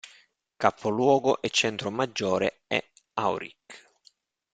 Capoluogo e centro maggiore è Aurich.